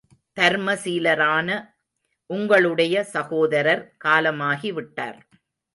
தர்ம சீலரான உங்களுடைய சகோதரர் காலமாகி விட்டார்.